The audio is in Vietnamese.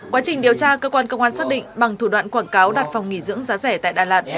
quá trình điều tra cơ quan công an xác định bằng thủ đoạn quảng cáo đặt phòng nghỉ dưỡng giá rẻ tại đà lạt